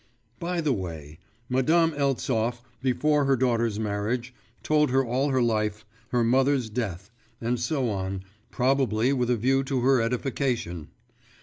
… By the way Madame Eltsov, before her daughter's marriage, told her all her life, her mother's death, and so on, probably with a view to her edification.